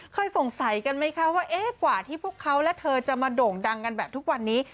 เคยสงสัยกันไหมคะว่าเอ๊ะกว่าที่พวกเขาและเธอจะมาโด่งดังกันแบบทุกวันนี้